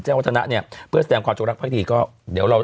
วัฒนะเนี่ยเพื่อแสดงความจงรักภักดีก็เดี๋ยวเรา